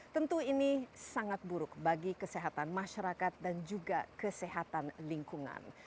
tentu ini sangat buruk bagi kesehatan masyarakat dan juga kesehatan lingkungan